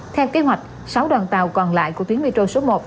theo kế hoạch sáu đoàn tàu còn lại của tuyến metro số một